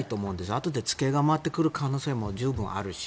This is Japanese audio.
あとで付けが回ってくる可能性も十分あるし。